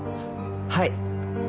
はい。